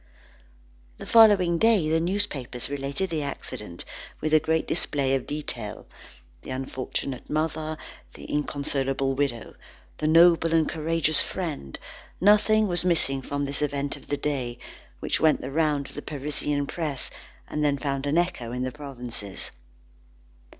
The following day, the newspapers related the accident with a great display of detail: the unfortunate mother, the inconsolable widow, the noble and courageous friend, nothing was missing from this event of the day, which went the round of the Parisian press, and then found an echo in the provinces.